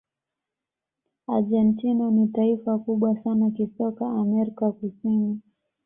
argentina ni taifa kubwa sana kisoka amerika kusini